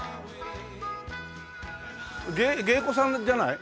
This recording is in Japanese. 芸子さんじゃない？